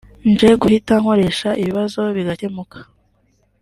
nje guhita nkoresha ibibazo bigakemuka